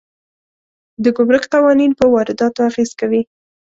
د ګمرک قوانین په وارداتو اغېز کوي.